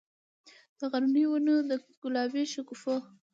د غرنیو ونو، د ګلابي شګوفو،